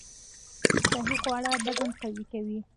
صحي خواړه بدن قوي کوي